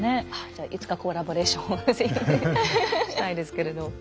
じゃあいつかコラボレーションを是非したいですけれど。